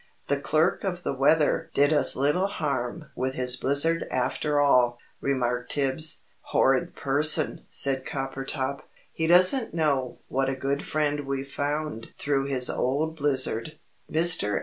"The Clerk of the Weather did us little harm with his blizzard after all," remarked Tibbs. "Horrid person," said Coppertop. "He doesn't know what a good friend we've found through his old blizzard. Mr.